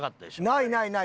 ないないない！